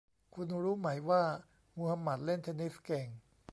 คุณรู้ไหมว่ามูฮัมหมัดเล่นเทนนิสเก่ง